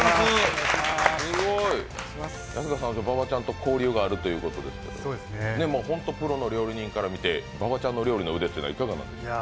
馬場ちゃんと交流があるということで、でもホント、プロの料理人から見て馬場ちゃんの料理の腕っていうのはいかがですか？